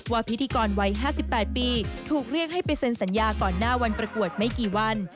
พิธีกรวัย๕๘ปีถูกเรียกให้ไปเซ็นสัญญาก่อนหน้าวันประกวดไม่กี่วัน